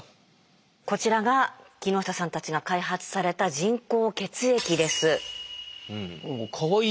こちらが木下さんたちが開発された人工血液です。